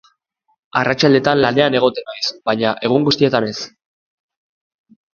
Arratsaldeetan lanean egoten naiz, baina egun guztietan ez.